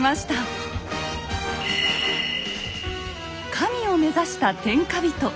神を目指した天下人。